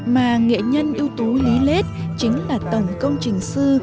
mà nghệ nhân ưu tú lý lết chính là tổng công trình sư